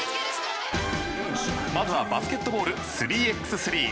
まずはバスケットボール３×３。